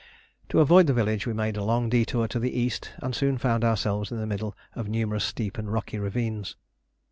To avoid the village we made a long detour to the east and soon found ourselves in the middle of numerous steep and rocky ravines.